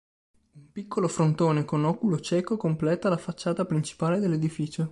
Un piccolo frontone con oculo cieco completa la facciata principale dell'edificio.